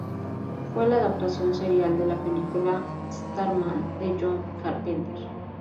Fue la adaptación serial de la película Starman de John Carpenter.